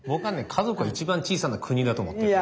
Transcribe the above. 家族が一番小さな国だと思ってる。